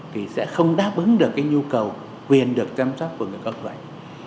thì sẽ không đáp ứng được cái nhu cầu quyền được chăm sóc của người cao tuổi